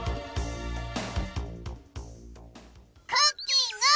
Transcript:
クッキング！